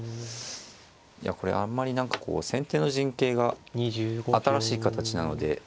いやこれあんまり何かこう先手の陣形が新しい形なので。